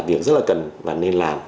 việc rất là cần và nên làm